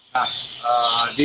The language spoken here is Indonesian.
nah di beberapa